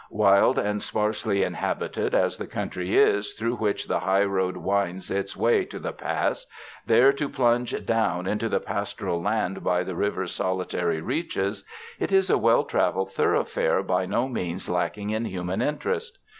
Wild and sparsely inhabited as the country is through which the highroad winds its way to the pass, there to plunge down into the pastoral land by the river's solitary reaches, it is a well traveled thoroughfare by no means lacking in human interest.